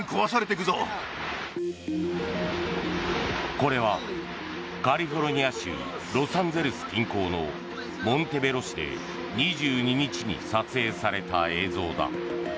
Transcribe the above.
これはカリフォルニア州ロサンゼルス近郊のモンテベロ市で２２日に撮影された映像だ。